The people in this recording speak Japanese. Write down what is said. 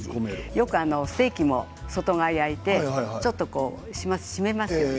よくステーキも外側を焼いてちょっと締めますよね。